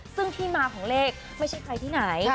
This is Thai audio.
ซึ่งที่มาของเลขไม่ใช่ใครที่ไหน